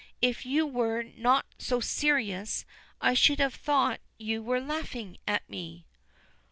If you were not so serious I should have thought you were laughing at me."